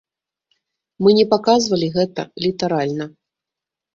Мы не паказвалі гэта літаральна.